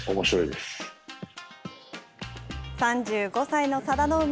３５歳の佐田の海。